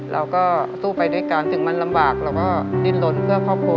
เราก็สู้ไปด้วยกันถึงมันลำบากเราก็ดิ้นล้นเพื่อครอบครัว